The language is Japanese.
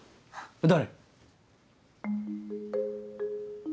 誰？